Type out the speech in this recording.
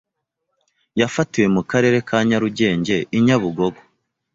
yafatiwe mu Karere ka Nyarugenge i Nyabugogo